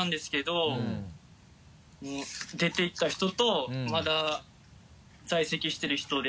もう出て行った人とまだ在籍してる人で。